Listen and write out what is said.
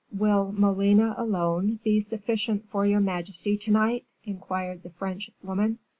"Will Molina, alone, be sufficient for your majesty to night?" inquired the French woman.